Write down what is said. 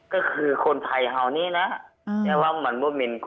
ก็คือคนไทยเท่านี้นะ